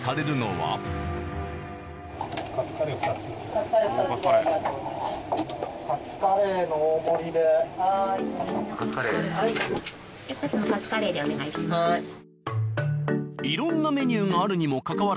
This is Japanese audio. はい。